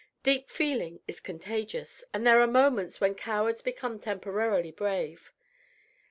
Deep feeling is contagious, and there are moments when cowards become temporarily brave.